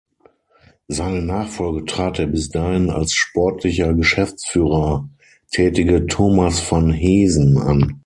Seine Nachfolge trat der bis dahin als sportlicher Geschäftsführer tätige Thomas von Heesen an.